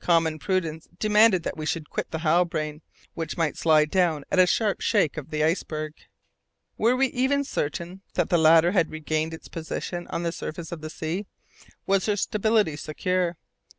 Common prudence demanded that we should quit the Halbrane, which might slide down at a sharp shake of the iceberg. Were we even certain that the latter had regained its position on the surface of the sea? Was her stability secure?